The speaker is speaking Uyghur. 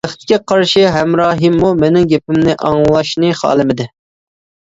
بەختكە قارشى ھەمراھىممۇ مېنىڭ گېپىمنى ئاڭلاشنى خالىمىدى.